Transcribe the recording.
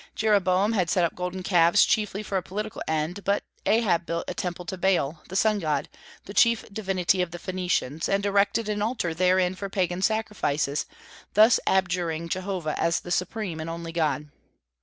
Jeroboam had set up golden calves chiefly for a political end, but Ahab built a temple to Baal, the sun god, the chief divinity of the Phoenicians, and erected an altar therein for pagan sacrifices, thus abjuring Jehovah as the Supreme and only God.